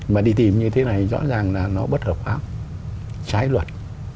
mà đi tìm như thế này rõ ràng là nó bất hợp pháp trái luật